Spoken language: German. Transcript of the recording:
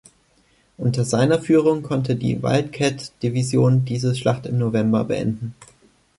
Unter seiner Führung konnte die "Wildcat-Division" diese Schlacht im November beenden.